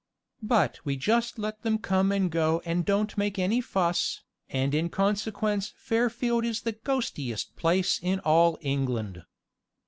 But we just let them come and go and don't make any fuss, and in consequence Fairfield is the ghostiest place in all England.